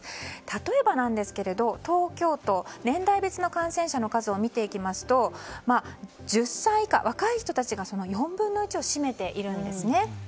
例えば、東京都年代別の感染者の数を見ていきますと１０歳以下、若い人たちがその４分の１を占めているんです。